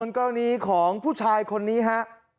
คุณกรองนี้ของผู้ชายคนนี้ครับ